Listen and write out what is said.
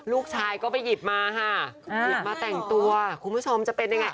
ลูกชายก็ไปหยิบมาค่ะหยิบมาแต่งตัวคุณผู้ชมจะเป็นยังไง